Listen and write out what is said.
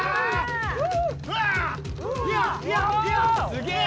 すげえ！